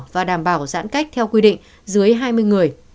và đảm bảo giãn cách theo quy định dưới hai mươi người